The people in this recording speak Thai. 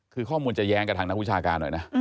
คือข้อมูลจะแย้งกับทางนักวิชาการหน่อยนะ